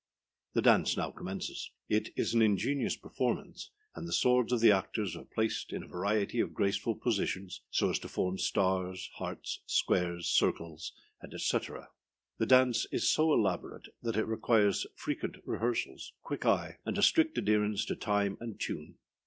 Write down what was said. The dance now commences. It is an ingenious performance, and the swords of the actors are placed in a variety of graceful positions, so as to form stars, hearts, squares, circles, &c. &c. The dance is so elaborate that it requires frequent rehearsals, a quick eye, and a strict adherence to time and tune.